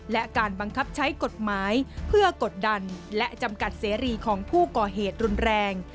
และการบังคับใช้กฎหมายเพื่อกดดันและจำกัดเสรีของผู้ก่อเหตุรุนแรง